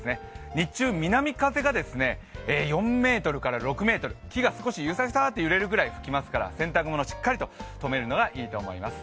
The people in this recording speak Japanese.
日中南風が４メートルから６メートル、木がゆさゆさとするぐらい吹きますから洗濯物しっかりと留めるのがいいと思います。